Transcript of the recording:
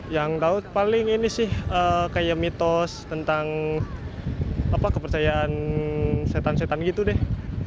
yang daud paling ini sih kayak mitos tentang kepercayaan setan setan gitu deh